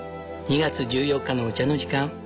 ２月１４日のお茶の時間